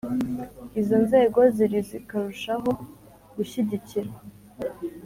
izo Nzego ziri zikarushaho gushyigikirwa